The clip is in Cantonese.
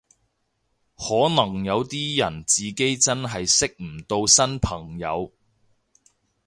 可能有啲人自己真係識唔到新朋友